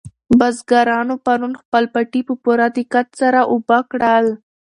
بزګرانو پرون خپل پټي په پوره دقت سره اوبه کړل.